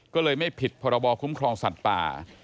ก็เลยไม่ผิดพรบคุ้มครองสัตว์ป่า